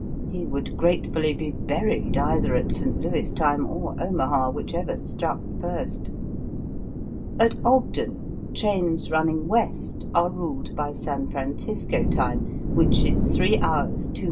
He would gratefully be buried either at St. Louis time or Omaha, whichever struck first. At Ogden, trains running west are ruled by San Francisco time, which is 3h. 2m.